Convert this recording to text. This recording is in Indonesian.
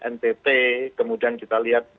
ntt kemudian kita lihat